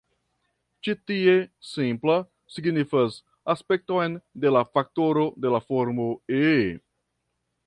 Ĉi tie, 'simpla' signifas aspekton de la faktoro de formo "e".